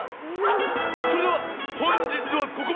それではほんじつはここまで。